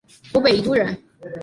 湖北宜都人。